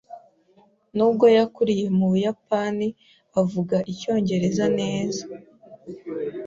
Nubwo yakuriye mu Buyapani, avuga icyongereza neza.